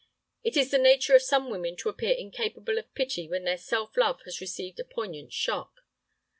It is the nature of some women to appear incapable of pity when their self love has received a poignant shock.